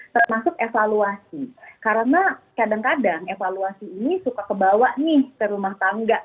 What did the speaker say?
termasuk evaluasi karena kadang kadang evaluasi ini suka kebawa nih ke rumah tangga